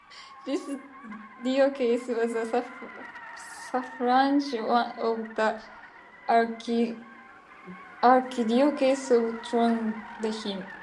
This diocese was a suffragan of the archdiocese of Trondheim.